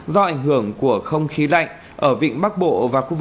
do ảnh hưởng của không khí lạnh